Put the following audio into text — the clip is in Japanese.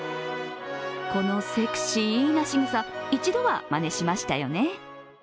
このセクシーなしぐさ、一度はまねしましたよね。